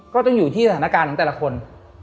ก็ต้องอยู่ที่สถานการณ์ของแต่ละคน